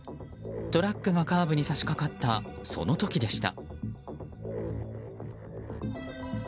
トラックがカーブに差し掛かったその時でした。